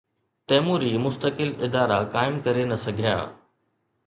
تيموري مستقل ادارا قائم ڪري نه سگھيا.